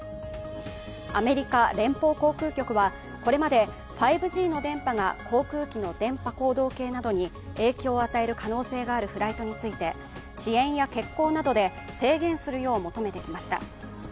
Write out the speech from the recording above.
アメリカ連邦航空局はこれまで５Ｇの電波が航空機の電波高度計などに影響を与える可能性があるフライトについて、遅延や欠航などで制限するよう求めてきました。